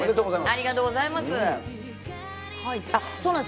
ありがとうございます。